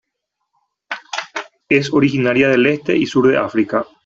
Es originaria del este y sur de África.